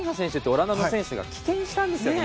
オランダの選手が棄権したんですよね。